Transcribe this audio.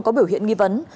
có biểu hiện nghi vấn